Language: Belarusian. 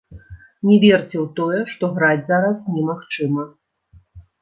Не верце ў тое, што граць зараз немагчыма.